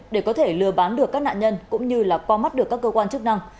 để có thể lừa bán được các nạn nhân cũng như là qua mắt được các cơ quan chức năng